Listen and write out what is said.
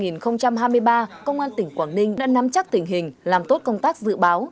năm hai nghìn hai mươi ba công an tỉnh quảng ninh đã nắm chắc tình hình làm tốt công tác dự báo